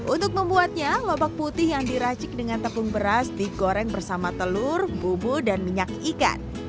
untuk membuatnya lobak putih yang diracik dengan tepung beras digoreng bersama telur bubu dan minyak ikan